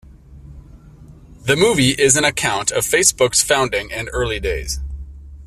The movie is an account of Facebook's founding and early days.